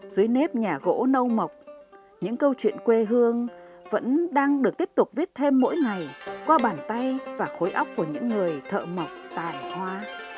dưới nếp nhà gỗ nâu mộc những câu chuyện quê hương vẫn đang được tiếp tục viết thêm mỗi ngày qua bàn tay và khối óc của những người thợ mộc tài hoa